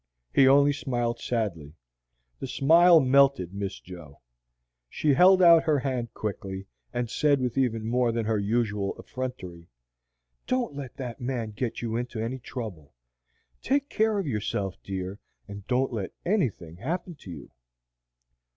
He only smiled sadly. The smile melted Miss Jo. She held out her hand quickly, and said with even more than her usual effrontery, "Don't let that man get you into any trouble. Take care of yourself, dear, and don't let anything happen to you."